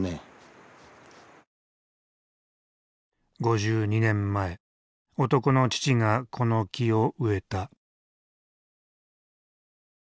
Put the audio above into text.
５２年前男の父がこの木を植えた。